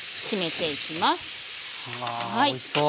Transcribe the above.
うわおいしそう。